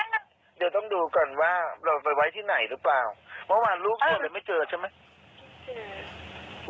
เดี๋ยวต้องดูก่อนว่าเราไปไว้ที่ไหนหรือเปล่าเมื่อวานลูกเจอเลยไม่เจอใช่ไหม